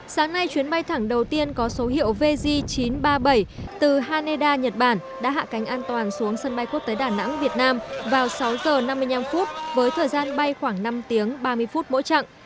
sáng nay chuyến bay thẳng đầu tiên có số hiệu vz chín trăm ba mươi bảy từ haneda nhật bản đã hạ cánh an toàn xuống sân bay quốc tế đà nẵng việt nam vào sáu h năm mươi năm phút với thời gian bay khoảng năm tiếng ba mươi phút mỗi chặng